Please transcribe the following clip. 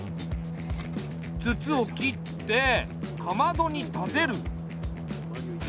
筒を切ってかまどに立てる。